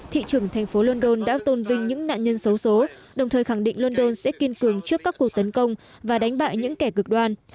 thị trưởng thành phố london đã tôn vinh những nạn nhân xấu xố đồng thời khẳng định london sẽ kiên cường trước các cuộc tấn công và đánh bại những kẻ cực đoan